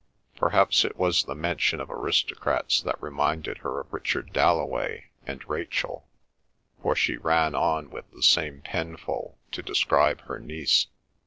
Perhaps it was the mention of aristocrats that reminded her of Richard Dalloway and Rachel, for she ran on with the same penful to describe her niece.